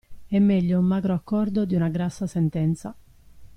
E' meglio un magro accordo di una grassa sentenza.